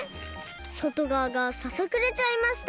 そとがわがささくれちゃいました！